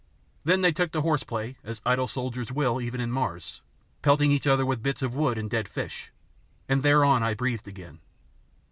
Then they took to horseplay, as idle soldiers will even in Mars, pelting each other with bits of wood and dead fish, and thereon I breathed again.